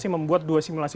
membuat dua simulasi